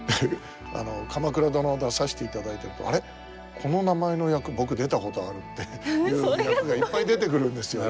「鎌倉殿」出させていただいてると「あれ？この名前の役僕出たことある」っていう役がいっぱい出てくるんですよ。